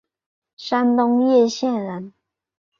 山东掖县人。